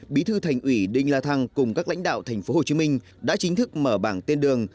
bí thư thành ủy đinh la thăng cùng các lãnh đạo tp hcm đã chính thức mở bảng tên đường